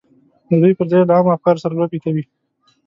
دوی پر ځای یې له عامو افکارو سره لوبې کوي